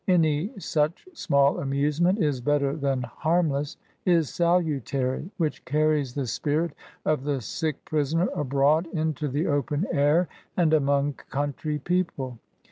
Any such small amuse ment is better than harmless — ^is salutary — which carries the spirit of the sick prisoner abroad into the open air, and among country people.